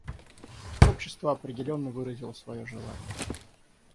Общество определенно выразило свое желание.